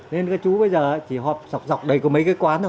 nên chú bây giờ chỉ họp dọc dọc đầy có mấy cái quán thôi